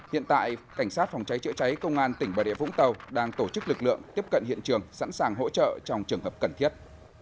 hiện tại cảnh sát phòng cháy chữa cháy công an tỉnh bà địa vũng tàu đang tổ chức lực lượng tiếp cận hiện trường sẵn sàng hỗ trợ trong trường hợp cần thiết